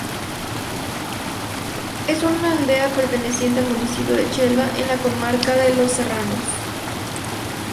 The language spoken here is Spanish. Es un aldea perteneciente al municipio de Chelva, en la comarca de Los Serranos.